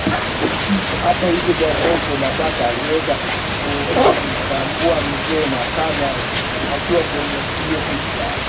Hata hivyo Jacob matata aliweza kumtambua mzee Makame akiwa kwenye hiyo picha